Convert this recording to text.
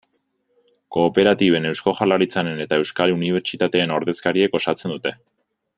Kooperatiben, Eusko Jaurlaritzaren eta euskal unibertsitateen ordezkariek osatzen dute.